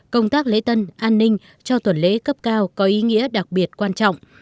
công tác lễ tân an ninh cho tuần lễ cấp cao có ý nghĩa đặc biệt quan trọng